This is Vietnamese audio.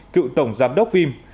cựu tổng giám đốc vim